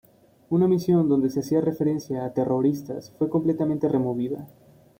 Una misión donde se hacía referencia a terroristas fue completamente removida.